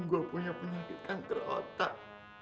gue punya penyakit kanker otak